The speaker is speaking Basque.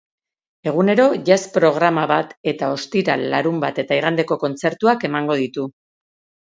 Egunero jazz programa bat eta ostiral, larunbat eta igandeko kontzertuak emango ditu.